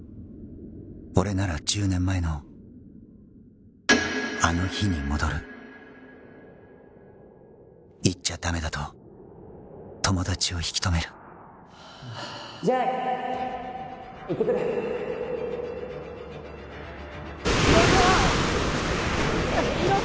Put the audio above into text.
俺なら１０年前のあの日に戻る行っちゃダメだと友達を引き止めるじゃあ行ってくる広沢広沢！